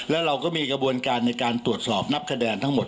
แล้วเราก็มีกระบวนการในการตรวจสอบนับคะแนนทั้งหมด